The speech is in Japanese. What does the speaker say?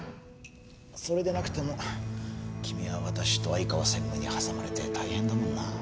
それでなくても君は私と相川専務に挟まれて大変だもんな。